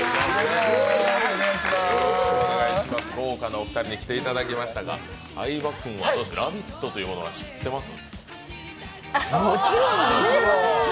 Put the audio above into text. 豪華なお二人に来ていただきましたが、相葉君は「ラヴィット！」というものは知ってます？